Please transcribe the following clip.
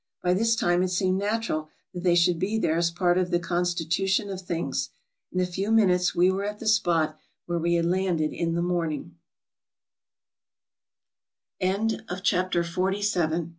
By this time it seemed natural that they should be there as part of the constitution of things. In a few minutes we were at the spot where we had landed in